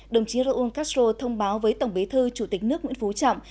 đồng chí raúl castro thông báo với tổng bế thư chủ tịch nước nguyễn phú trọng